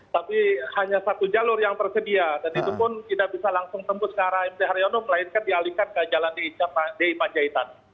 tapi hanya satu jalur yang tersedia dan itu pun tidak bisa langsung tembus ke arah mt haryono melainkan dialihkan ke jalan di panjaitan